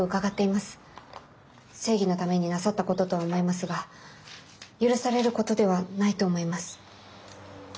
正義のためになさったこととは思いますが許されることではないと思います。